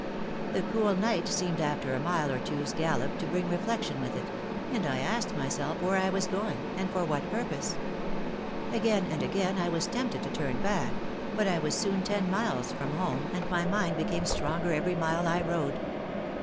The cool night seemed after a mile or two's gallop to bring reflection with it; and I asked myself where I was going, and for what purpose. Again and again I was tempted to turn back; but I was soon ten miles from home, and my mind became stronger every mile I rode.